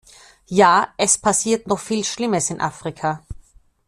Ja, es passiert noch viel Schlimmes in Afrika!